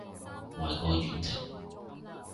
壞過婉婷